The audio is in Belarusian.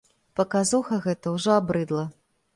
Паказуха гэта ўжо абрыдла.